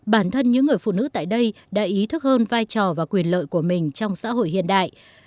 bản thân những người phụ nữ tại đây đã ý thức hơn vai trò và quyền lợi của mình trong xã hội hiện đại